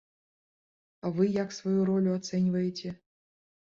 А вы як сваю ролю ацэньваеце?